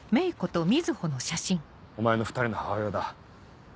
お前の２人の母親だ。